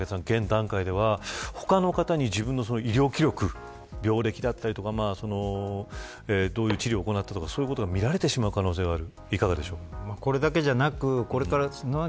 現段階では、他の方に医療記録病歴だったりどういう治療を行ったかそういうことが見られてしまう可能性がある。